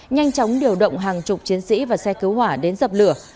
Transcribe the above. nhanh chóng điều động hàng chục chiến sĩ và xe cứu hỏa đến dập lửa